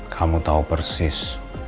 kamu tahu persis